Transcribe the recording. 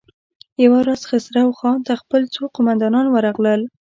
يوه ورځ خسرو خان ته خپل څو قوماندان ورغلل.